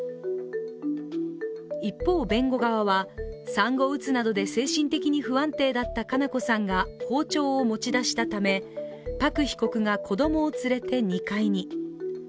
一方、弁護側は産後うつなどで精神的に不安定だった佳菜子さんが、包丁を持ち出したため、パク被告が子供を連れて２階に。